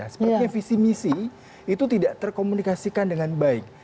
sepertinya visi misi itu tidak terkomunikasikan dengan baik